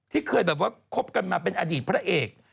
ที่เคยแบบว่าคบกันมาเป็นอดีตพระเอก